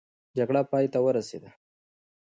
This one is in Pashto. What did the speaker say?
جګړه پای ته ورسېده.